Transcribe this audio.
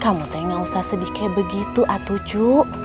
kamu teh gak usah sedih kayak begitu atucu